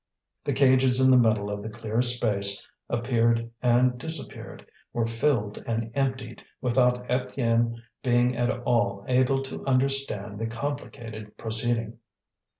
The cages in the middle of the clear space appeared and disappeared, were filled and emptied, without Étienne being at all able to understand the complicated proceeding.